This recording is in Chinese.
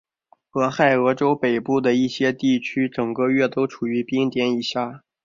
俄亥俄州北部的一些地区整个月都处于冰点以下。